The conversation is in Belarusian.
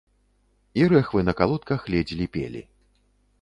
І рэхвы на калодках ледзь ліпелі.